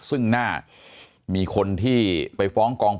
สวัสดีครับ